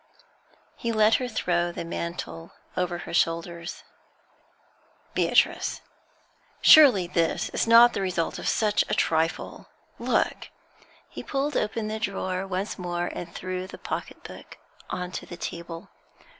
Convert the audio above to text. He let her throw the mantle over her shoulders. 'Beatrice, surely this is not the result of such a trifle? Look!' He pulled open the drawer once more and threw the pocket hook on to the table.